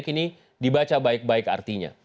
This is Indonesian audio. kini dibaca baik baik artinya